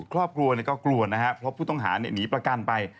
ครอบครัวก็กลัวนะครับเพราะผู้ต้องหาหนีประกันไป